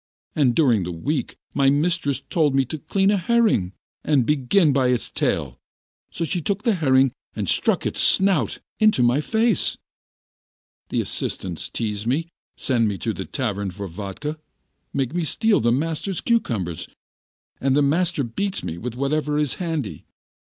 And during the week, my mistress told me to clean a herring, and I began by its tail, so she took the herring and stuck its snout into my face. The assistants tease me, send me to the tavern for vodka, make me steal the master's cucumbers, and the master beats me with whatever is handy.